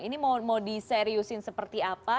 ini mau diseriusin seperti apa